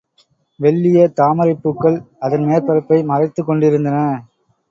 வெள்ளிய தாமரைப் பூக்கள் அதன் மேற்பரப்பை மறைத்துக் கொண்டிருந்தன.